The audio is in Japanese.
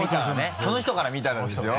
その人から見たらですよ？